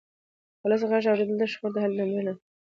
ولسي غږ اورېدل د شخړو د حل لومړنی ګام ګڼل کېږي